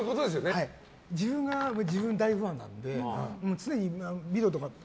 自分が自分の大ファンなので常にビデオとか。